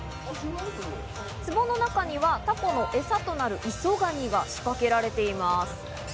ツボの中には過去のエサとなる磯ガニが仕掛けられています。